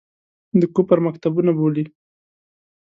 د کفر مکتبونه بولي.